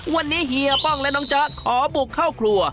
วันนี้เฮียป้องและน้องจ๊ะขอบุกเข้าครัว